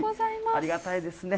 ありがたいですね。